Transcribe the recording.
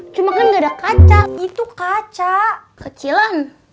cuma kan gak ada kaca itu kaca kecilan